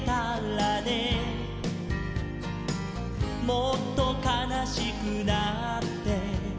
「もっとかなしくなって」